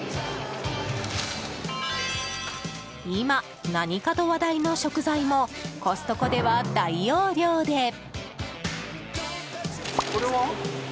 今、何かと話題の食材もコストコでは大容量で。